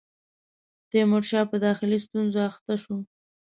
تیمورشاه په داخلي ستونزو اخته شو.